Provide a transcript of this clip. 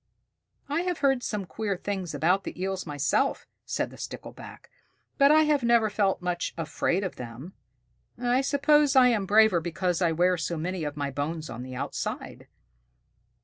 "I have heard some queer things about the Eels myself," said the Stickleback, "but I have never felt much afraid of them. I suppose I am braver because I wear so many of my bones on the outside."